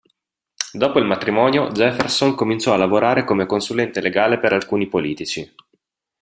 Dopo il matrimonio Jefferson cominciò a lavorare come consulente legale per alcuni politici.